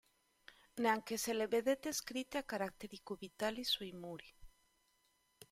Neanche se le vedete scritte a caratteri cubitali sui muri.